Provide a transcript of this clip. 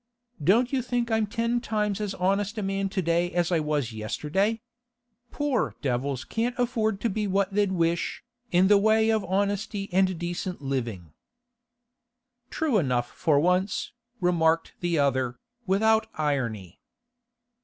Don't you think I'm ten times as honest a man to day as I was yesterday? Poor devils can't afford to be what they'd wish, in the way of honesty and decent living.' True enough for once,' remarked the other, without irony.